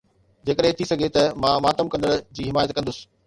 جيڪڏهن ٿي سگهي ته مان ماتم ڪندڙ جي حمايت ڪندس